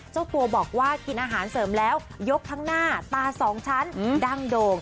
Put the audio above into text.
เจ้าตัวบอกว่ากินอาหารเสริมแล้วยกข้างหน้าตาสองชั้นดั้งโด่ง